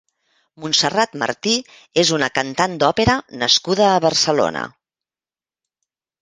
Montserrat Martí és una cantant d'òpera nascuda a Barcelona.